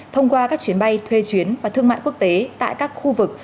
thông qua các chuyến bay thuê chuyến và thương mại quốc tế tại các khu vực